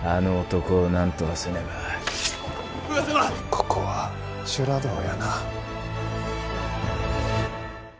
ここは修羅道やな。